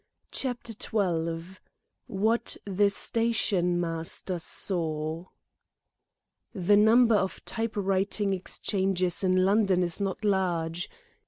CHAPTER XII WHAT THE STATIONMASTER SAW The number of type writer exchanges in London is not large.